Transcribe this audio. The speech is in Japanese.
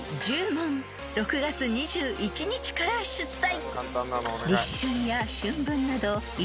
［６月２１日から出題］